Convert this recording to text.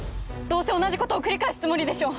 どうせ同じことを繰り返すつもりでしょ！